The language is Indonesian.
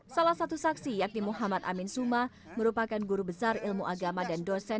salah satu saksi yakni muhammad amin suma merupakan guru besar ilmu agama dan dosen